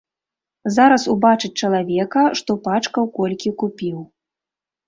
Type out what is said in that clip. Зараз убачыць чалавека, што пачкаў колькі купіў.